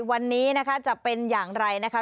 วันนี้นะคะจะเป็นอย่างไรนะคะ